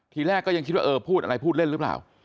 ทีแรกก็ยังคิดว่าเออพูดอะไรพูดเล่นหรือเปล่า